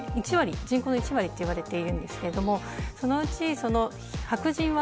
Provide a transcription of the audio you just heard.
人口の１割といわれているんですけどそのうち白人は